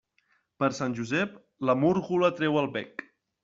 Per Sant Josep, la múrgola treu el bec.